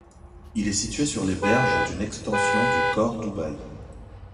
Il est situé sur les berges d'une extension du Khor Dubaï.